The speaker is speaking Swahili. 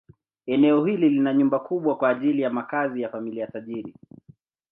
Eneo hili lina nyumba kubwa kwa ajili ya makazi ya familia tajiri.